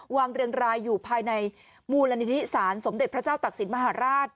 เรียงรายอยู่ภายในมูลนิธิสารสมเด็จพระเจ้าตักศิลปมหาราช